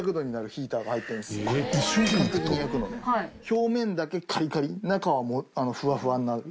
表面だけカリカリ中はフワフワになる。